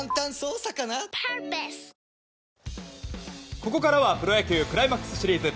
ここからはプロ野球クライマックスシリーズ。